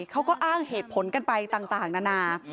เขาก็อ้างเหตุผลกันไปต่างนานา